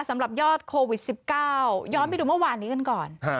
สำหรับยอดโควิด๑๙ย้อนไปดูเมื่อวานนี้กันก่อน